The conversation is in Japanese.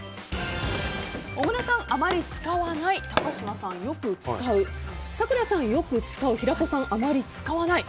小倉さん、あまり使わない高嶋さん、よく使う咲楽さん、よく使う平子さん、あまり使わない。